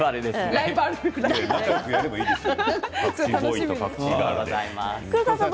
仲よくやればいいですよ